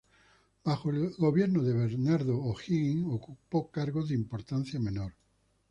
Bajo el gobierno de Bernardo O'Higgins ocupó cargos de importancia menor.